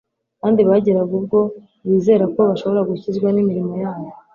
kandi bageraga ubwo bizera ko bashobora gukizwa n'imirimo yabo.